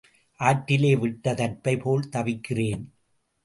ஆற்றிலே விட்ட தர்ப்பை போல் தவிக்கிறேன்.